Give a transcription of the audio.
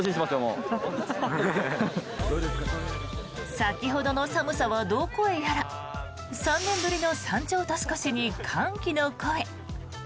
先ほどの寒さはどこへやら３年ぶりの山頂年越しに歓喜の声。